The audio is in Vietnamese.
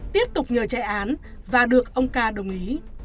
tiếp tục nhờ chạy án và được ông ca đồng ý